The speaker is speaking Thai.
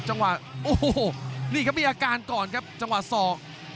จังหวะโอ้โหนี่ครับมีอาการก่อนครับจังหวะศอก